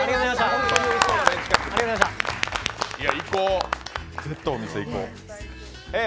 行こう、絶対お店行こう。